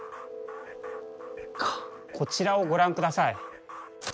こちらをご覧ください。